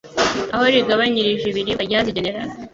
aho rigabanyirije ibiribwa ryazigeneraga